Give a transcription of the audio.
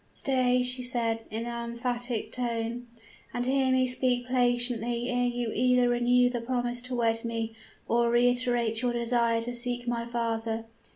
"'Stay,' she said, in an emphatic tone, 'and hear me patiently ere you either renew the promise to wed me, or reiterate your desire to seek my father.